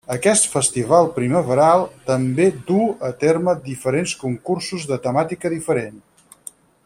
Aquest festival primaveral també duu a terme diferents concursos de temàtica diferent.